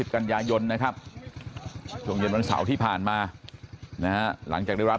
กันยายนนะครับช่วงเย็นวันเสาร์ที่ผ่านมานะฮะหลังจากได้รับ